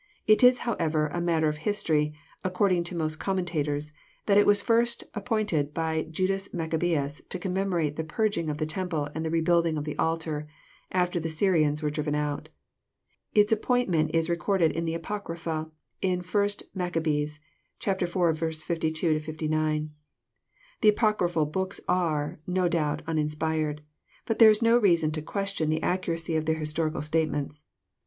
It is, however, a matter of history, according to most commentators, that it was first appointed by Judas Maccabeus to commemorate the purging of the temple, and the rebuilding of the altar, after the Syrians were driven out. Its appointment is recorded in the Apocry pha in 1 Maccabees iv. 52—59. The Apocryphal books are, no doubt, uninspired. But there is no reason to question the accuracy of their historical statements.